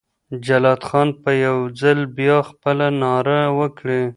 جلات خان به یو ځل بیا خپله ناره وکړي.